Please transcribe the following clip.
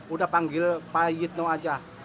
udah panggil pak yitno aja